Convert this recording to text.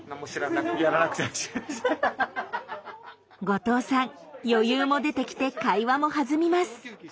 後藤さん余裕も出てきて会話も弾みます。